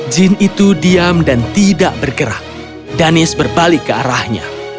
jin itu diam dan tidak bergerak danis berbalik ke arahnya